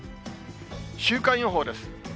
週間予報です。